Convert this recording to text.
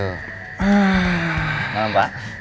selamat malam pak